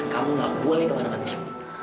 kamu gak boleh kemana mana